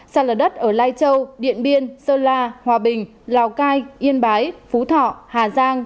sàn lở đất ở lai châu điện biên sơn la hòa bình lào cai yên bái phú thọ hà giang